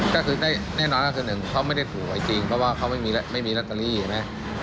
ก็คือได้แน่นอนก็คือ๑เขาไม่ได้ถูกไว้จริงเพราะว่าเขาไม่มีรัตเตอรี่ไหม